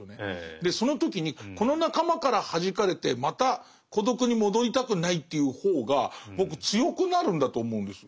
でその時にこの仲間からはじかれてまた孤独に戻りたくないっていう方が僕強くなるんだと思うんです。